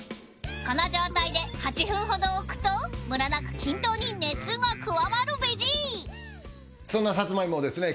この状態で８分ほど置くとムラなく均等に熱が加わるベジそんなサツマイモをですね